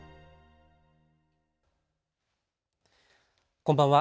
こんばんは。